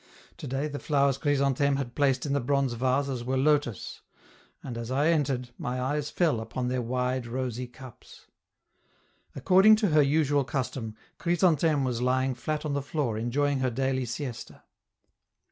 Today the flowers Chrysantheme had placed in the bronze vases were lotus, and as I entered, my eyes fell upon their wide rosy cups. According to her usual custom, Chrysantheme was lying flat on the floor enjoying her daily siesta.